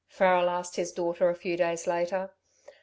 Farrel asked his daughter a few days later.